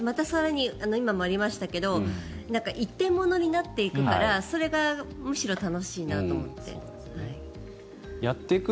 更に、今もありましたけど一点物になっていくからそれがむしろ楽しいなと思って。